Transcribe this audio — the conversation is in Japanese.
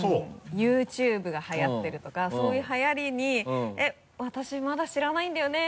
ＹｏｕＴｕｂｅがはやってるとかそういうはやりに「えっ私まだ知らないんだよね」